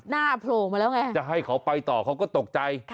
โผล่มาแล้วไงจะให้เขาไปต่อเขาก็ตกใจ